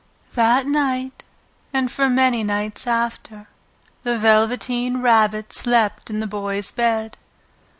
That night, and for many nights after, the Velveteen Rabbit slept in the Boy's bed.